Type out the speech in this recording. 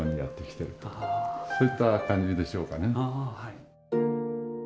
そういった感じでしょうかね。